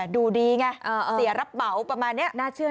ดูดีไงเสียรับเบาประมาณนี้